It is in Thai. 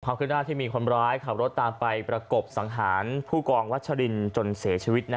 ขึ้นหน้าที่มีคนร้ายขับรถตามไปประกบสังหารผู้กองวัชรินจนเสียชีวิต